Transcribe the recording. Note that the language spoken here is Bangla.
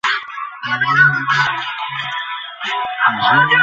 ক্রিস্টোফার এর সাথে মিলে।